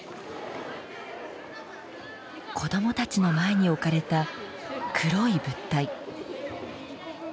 子どもたちの前に置かれた黒い物体。